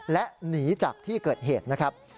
และหนีจากที่เกิดเหตุนะครับ